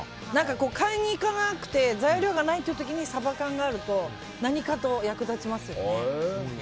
買いに行かなくて材料がないって時にサバ缶があると何かと役立ちますよね。